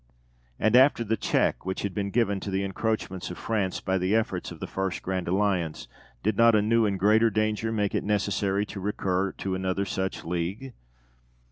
And after the check which had been given to the encroachments of France by the efforts of the first grand alliance, did not a new and greater danger make it necessary to recur to another such league?